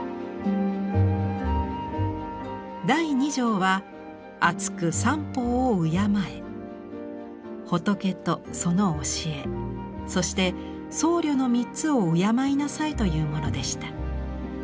第二条は仏とその教えそして僧侶の３つを敬いなさいというものでした。